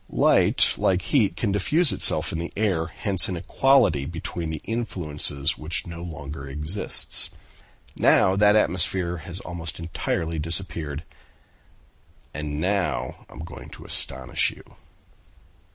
Light, like heat, can diffuse itself in the air; hence an equality between the influences which no longer exists, now that atmosphere has almost entirely disappeared. And now I am going to astonish you."